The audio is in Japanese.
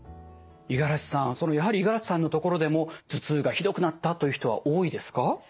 五十嵐さんやはり五十嵐さんのところでも頭痛がひどくなったという人は多いですか？